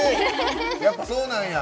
やっぱ、そうなんや。